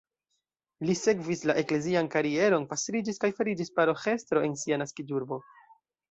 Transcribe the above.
Li sekvis la eklezian karieron, pastriĝis kaj fariĝis paroĥestro en sia naskiĝurbo.